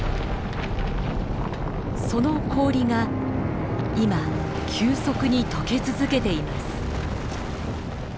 その氷が今急速にとけ続けています。